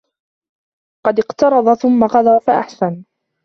قَدْ اقْتَرَضَ ثُمَّ قَضَى فَأَحْسَنَ